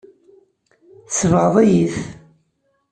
Tsebɣeḍ-iyi-t.